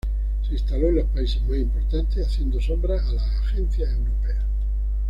Se instaló en los países más importantes, haciendo sombra a las agencias europeas.